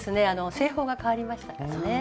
製法が変わりましたからね。